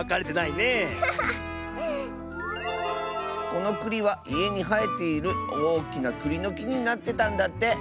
このくりはいえにはえているおおきなくりのきになってたんだって。